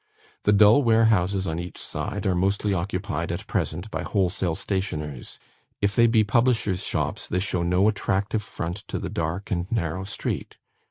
The dull warehouses on each side are mostly occupied at present by wholesale stationers; if they be publishers' shops, they show no attractive front to the dark and narrow street.